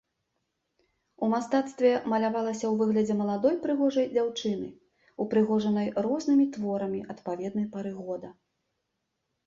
У мастацтве малявалася ў выглядзе маладой прыгожай дзяўчыны, упрыгожанай рознымі творамі адпаведнай пары года.